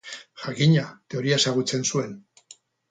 Jakina, teoria ezagutzen zuen.